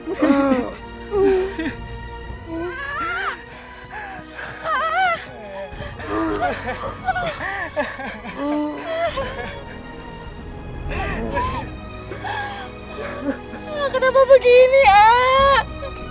kenapa begini ah